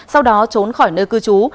sau đó trốn khỏi nơi cư trú